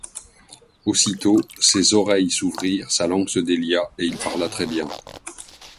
Aussitôt ses oreilles s'ouvrirent, sa langue se délia, et il parla très bien.